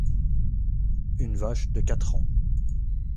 Une vache de quatre ans.